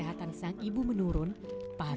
jadi ini semua bikin dua bulan